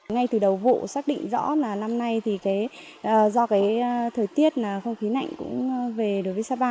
ngay từ đầu vụ xác định rõ là năm nay do thời tiết không khí nạnh về sapa